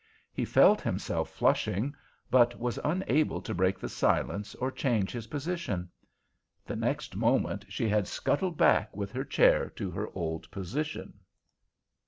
He felt himself flushing—but was unable to break the silence or change his position. The next moment she had scuttled back with her chair to her old position.